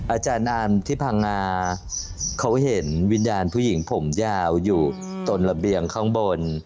อาจารย์นานที่พังงาเขาเห็นวิญญาณผู้หญิงผมยาวอยู่ตรงระเบียงข้างบน